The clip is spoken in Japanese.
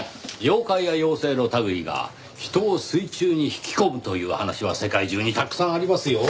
妖怪や妖精の類いが人を水中に引き込むという話は世界中にたくさんありますよ。